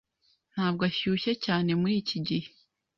Ntabwo ashyushye cyane muri iki gihe.